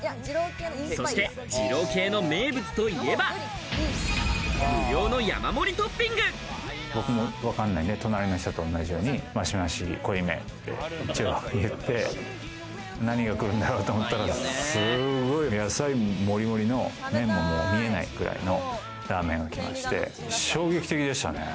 そして二郎系の名物といえば、無料の山盛りトッピング。わかんないんで、隣の人と同じようにマシマシ濃いめって言って何が来るんだろうと思ったら、すごい野菜モリモリの麺も見えないくらいのラーメンが来まして、衝撃的でしたね。